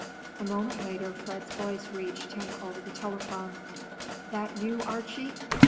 A moment later Fred's voice reached him over the telephone. "That you, Archie?